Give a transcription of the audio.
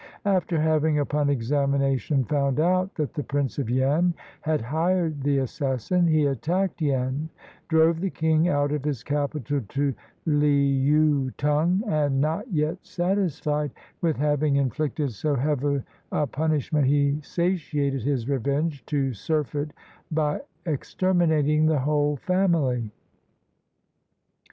After having upon examina tion found out that the Prince of Yen had hired the assassin, he attacked Yen, drove the king out of his capital to Leaou tung, and not yet satisfied with having inflicted so heavy a punishment, he satiated his revenge to surfeit by exterminating the whole family.